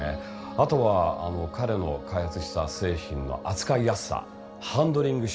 あとは彼の開発した製品の扱いやすさハンドリングしやすさ。